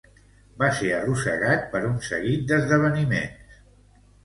Va ser arrossegat per un seguit d'esdeveniments.